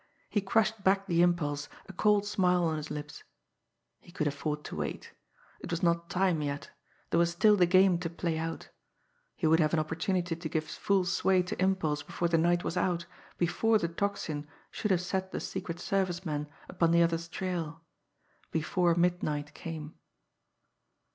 He crushed back the impulse, a cold smile on his lips. He could afford to wait! It was not time yet. There was still the game to play out. He would have an opportunity to give full sway to impulse before the night was out, before the Tocsin should have set the Secret Service men upon the other's trail before midnight came.